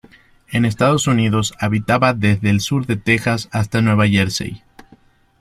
En Estados Unidos habitaba desde el sur de Texas hasta Nueva Jersey.